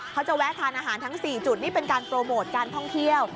เขาจะแวะทานอาหารทั้ง๔จุดนี่เป็นการโปรโมทการท่องเที่ยว